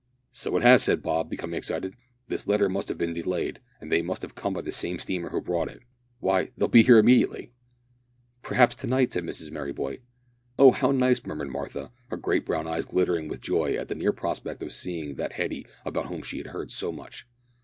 "So it has," said Bob, becoming excited; "their letter must have been delayed, and they must have come by the same steamer that brought it; why, they'll be here immediately!" "Perhaps to night!" exclaimed Mrs Merryboy. "Oh! how nice!" murmured Martha, her great brown eyes glittering with joy at the near prospect of seeing that Hetty about whom she had heard so much.